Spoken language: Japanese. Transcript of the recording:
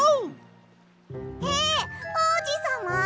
えおうじさま？